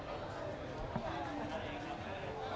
ขอบคุณค่ะ